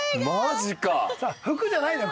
服じゃないのよ